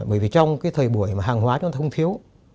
bởi vì trong thời buổi mà hàng hóa chúng ta không thiếu